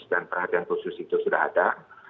dan perhatian khusus itu sudah ada